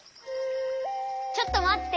ちょっとまって！